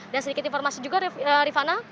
sedikit informasi juga rifana